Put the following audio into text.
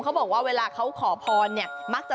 เขาบอกว่าเวลาเขาขอพรเนี่ยมักจะ